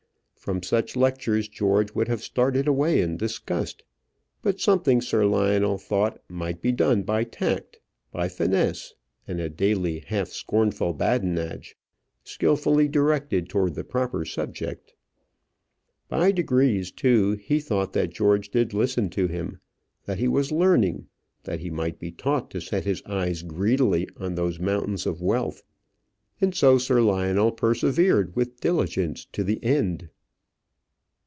From such lectures George would have started away in disgust; but something, Sir Lionel thought, might be done by tact, by finesse, and a daily half scornful badinage, skilfully directed towards the proper subject. By degrees, too, he thought that George did listen to him, that he was learning, that he might be taught to set his eyes greedily on those mountains of wealth. And so Sir Lionel persevered with diligence to the end.